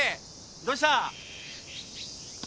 どうした？